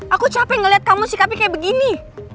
aku capek ngeliat kamu sikapnya kayak begini